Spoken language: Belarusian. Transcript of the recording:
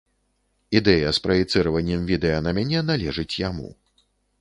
Ідэя з праецыраваннем відэа на мяне належыць яму.